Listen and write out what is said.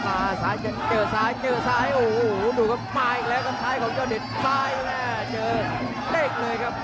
ท้ายอีกแล้วกับท้ายของยอดเดชน์ท้ายอีกแล้วเจอเด็กเลยครับ